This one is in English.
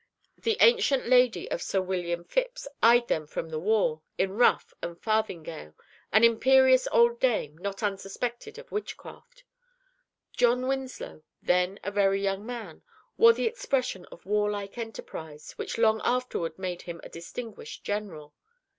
The ancient lady of Sir William Phips eyed them from the wall, in ruff and farthingale, an imperious old dame, not unsuspected of witchcraft. John Winslow, then a very young man, wore the expression of warlike enterprise which long afterward made him a distinguished general.